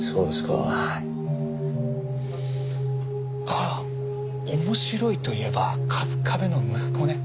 ああ面白いといえば春日部の息子ね。